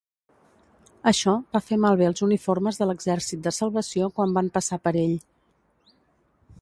Això va fer malbé els uniformes de l'Exèrcit de Salvació quan van passar per ell.